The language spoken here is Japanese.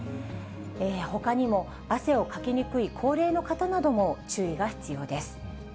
ほかにも、汗をかきにくい高齢の方なども注意が必要です。